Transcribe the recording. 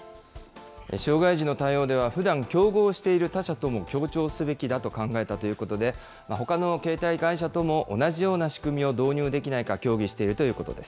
障害時の対応ではふだん競合している他社とも協調すべきだと考えたということで、ほかの携帯会社とも同じような仕組みを導入できないか、協議して